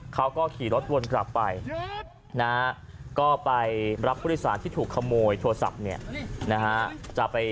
เขาก็ขี่รถวนกลับไปนะฮะก็ไปรับผู้โดยสารที่ถูกขโมยโทรศัพท์เนี่ยนะฮะ